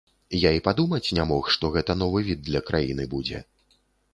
Я і падумаць не мог, што гэта новы від для краіны будзе.